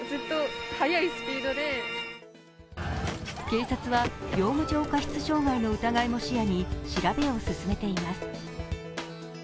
警察は業務上過失傷害の疑いも視野に調べを進めています。